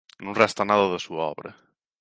Non resta nada da súa obra.